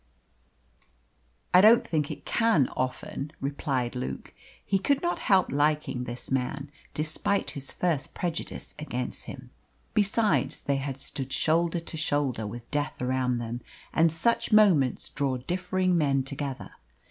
"I don't think it can often," replied Luke. He could not help liking this man, despite his first prejudice against him. Besides, they had stood shoulder to shoulder, with death around them, and such moments draw differing men together.